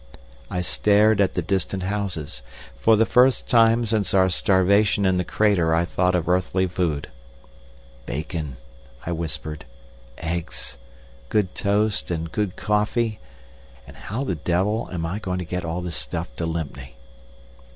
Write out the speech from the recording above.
I stared at the distant houses. For the first time since our starvation in the crater I thought of earthly food. "Bacon," I whispered, "eggs. Good toast and good coffee.... And how the devil am I going to get all this stuff to Lympne?"